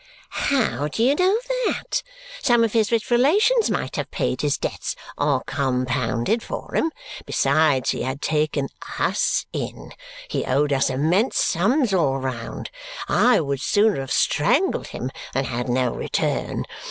"How do you know that? Some of his rich relations might have paid his debts or compounded for 'em. Besides, he had taken US in. He owed us immense sums all round. I would sooner have strangled him than had no return.